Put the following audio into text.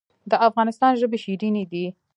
د افغانستان ژبې شیرینې دي